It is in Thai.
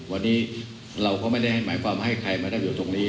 วันนี้เราก็ไม่ได้ให้หมายความให้ใครมานั่งอยู่ตรงนี้